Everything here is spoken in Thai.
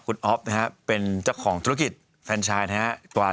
คุณอ๊อฟนะฮะเป็นเจ้าของธุรกิจแฟนชายนะครับ